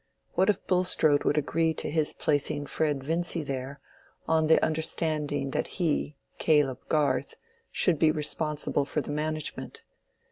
What if Bulstrode would agree to his placing Fred Vincy there on the understanding that he, Caleb Garth, should be responsible for the management?